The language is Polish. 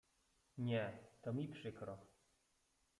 Nie, to mi przykro.